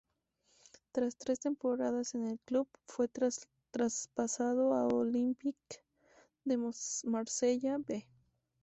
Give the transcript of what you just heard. Tras tres temporadas en el club, fue traspasado al Olympique de Marsella "B".